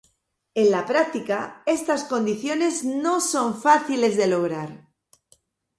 En la práctica, estas condiciones no son fáciles de lograr.